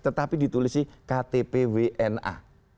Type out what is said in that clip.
tetapi ditulis ktp wna